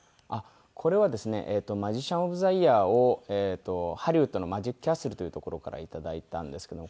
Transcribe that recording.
これはですねマジシャン・オブ・ザ・イヤーをハリウッドのマジックキャッスルというところから頂いたんですけども。